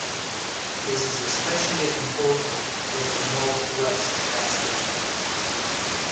This is especially important with the Northwest Passage.